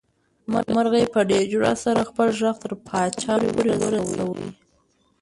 مرغۍ په ډېر جرئت سره خپل غږ تر پاچا پورې ورساوه.